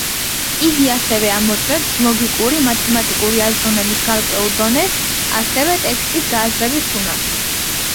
იგი ასევე ამოწმებს ლოგიკური, მათემატიკური აზროვნების გარკვეულ დონეს, ასევე ტექსტის გააზრების უნარს.